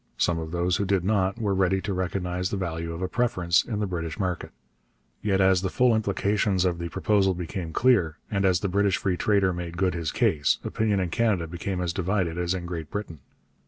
Some of those who did not were ready to recognize the value of a preference in the British market. Yet as the full implications of the proposal became clear, and as the British free trader made good his case, opinion in Canada became as divided as in Great Britain.